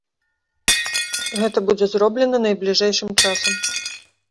Гэта будзе зроблена найбліжэйшым часам.